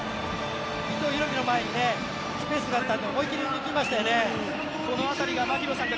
伊藤洋輝の前にスペースがあったところを思いっきり抜きましたね。